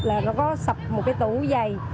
là nó có sập một cái tủ dày